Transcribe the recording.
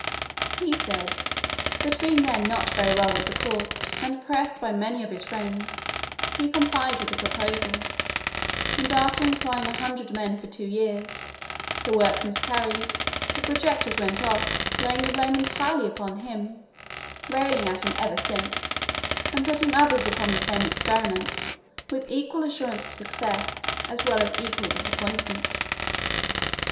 He said, "that being then not very well with the court, and pressed by many of his friends, he complied with the proposal; and after employing a hundred men for two years, the work miscarried, the projectors went off, laying the blame entirely upon him, railing at him ever since, and putting others upon the same experiment, with equal assurance of success, as well as equal disappointment."